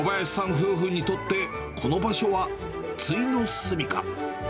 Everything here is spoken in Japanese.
夫婦にとってこの場所はついのすみか。